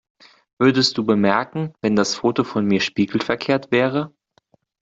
Würdest du bemerken, wenn das Foto von mir spiegelverkehrt wäre?